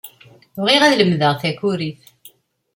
Bɣiɣ ad lemdeɣ takurit.